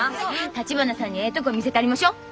橘さんにええとこ見せたりましょ。